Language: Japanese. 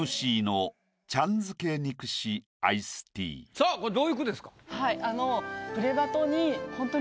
さぁこれどういう句ですか？